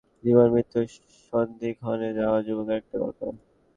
দুর্ঘটনায় আহত হওয়া ব্যক্তি এবং জীবন-মৃত্যুর সন্ধিক্ষণে যাওয়া যুবকের একটা গল্প।